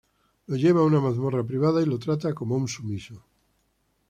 Lo lleva a una mazmorra privada y lo trata como a un sumiso.